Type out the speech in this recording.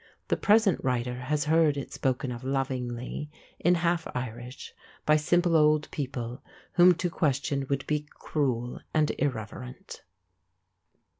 The present writer has heard it spoken of lovingly, in half Irish, by simple old people, whom to question would be cruel and irreverent.